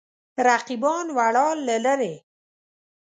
رقیبان ولاړ له لرې.